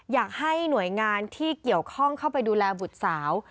อยากให้หน่วยงานที่เกี่ยวข้องเข้าไปดูแลบุตรสาว